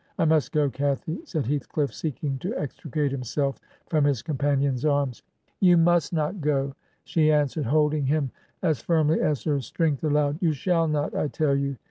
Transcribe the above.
'' I must go, Cathy/ said Heathcliff, seeking to extricate himself from his companion's sums. ... 'You must not go!' she answered, holding him as firmly as her strength al lowed. 'You shall not, I tell you.'